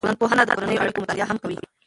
ټولنپوهنه د کورنیو اړیکو مطالعه هم کوي.